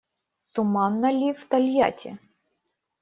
Туманно ли в Тольятти?